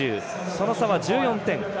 その差は１４点。